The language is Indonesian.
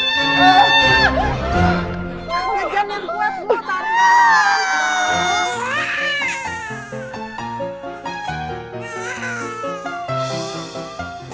mengejam yang kuat gue tarik nafas